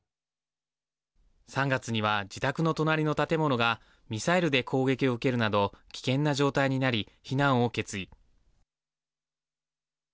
３月には自宅の隣の建物がミサイルで攻撃を受けるなど危険な状態になり避難を決意。